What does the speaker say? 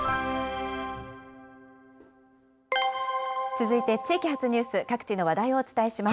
続いて地域発ニュース、各地の話題をお伝えします。